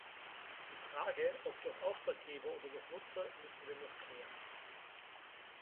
Die Frage, ob durch Auftraggeber oder durch Nutzer, müssen wir noch klären.